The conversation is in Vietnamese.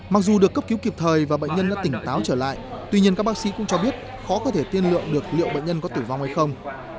mặc dù được cấp cứu kịp thời và bệnh nhân đã tỉnh táo trở lại tuy nhiên các bác sĩ cũng cho biết khó có thể tiên lượng được liệu bệnh nhân có tử vong hay không